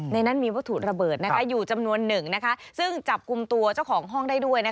นั้นมีวัตถุระเบิดอยู่จำนวนหนึ่งซึ่งจับกลุ่มตัวเจ้าของห้องได้ด้วย